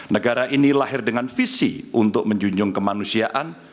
negara ini lahir dengan visi untuk menjunjung kemanusiaan